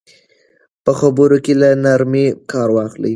په خبرو کې له نرمۍ کار واخلئ.